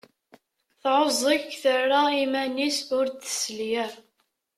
Tesεuẓẓeg, terra iman-is ur d-tesli ara.